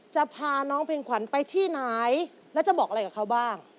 จะพาน้องเพลงขวัญไปที่ไหนแล้วจะบอกอะไรกับเขาบ้าง